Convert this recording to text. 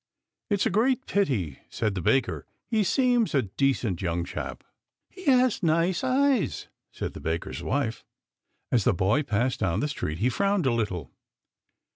" It's a great pity," said the baker ;" he seems a decent young chap." 15 210 THE POET'S ALLEGORY " He has nice eyes," said the baker's wife. As the boy passed down the street he frowned a little.